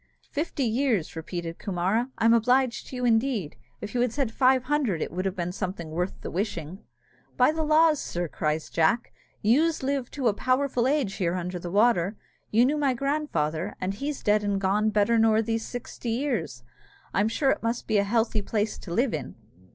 "Fifty years!" repeated Coomara; "I'm obliged to you, indeed! If you had said five hundred, it would have been something worth the wishing." "By the laws, sir," cries Jack, "youz live to a powerful age here under the water! You knew my grandfather, and he's dead and gone better than these sixty years. I'm sure it must be a healthy place to live in."